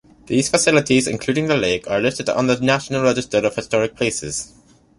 These facilities, including the lake, are listed on the National Register of Historic Places.